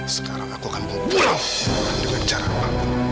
sekarang aku akan memulau dengan cara apa